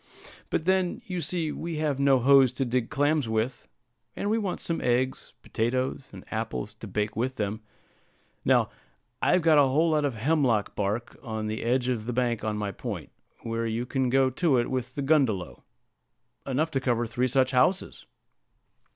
"But then, you see, we have no hoes to dig clams with; and we want some eggs, potatoes, and apples to bake with them. Now, I've got a whole lot of hemlock bark on the edge of the bank on my point, where you can go to it with the gundelow enough to cover three such houses.